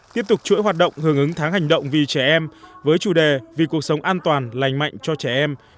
tiếp tục chuỗi hoạt động hưởng ứng tháng hành động vì trẻ em với chủ đề vì cuộc sống an toàn lành mạnh cho trẻ em